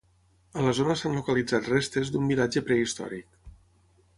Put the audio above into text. A la zona s'han localitzat restes d'un vilatge prehistòric.